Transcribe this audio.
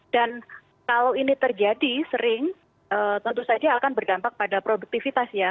dan kalau ini terjadi sering tentu saja akan berdampak pada produktivitas ya